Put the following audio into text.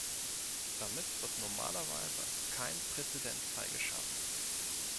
Damit wird normalerweise kein Präzedenzfall geschaffen.